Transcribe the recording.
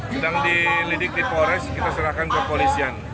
sedang dilidiki polres kita serahkan kepolisian